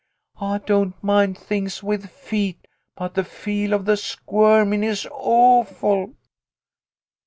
I don't mind things with feet, but the feel of the squirmin' is awful